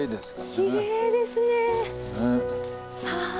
きれいですね。